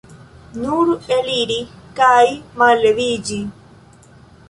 Nur eliri kaj malleviĝi!